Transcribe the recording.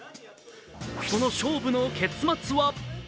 その勝負の結末は？